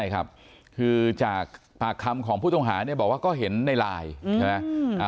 คือจากปากคำของผู้ตงหาบอกว่าก็เห็นในไลน์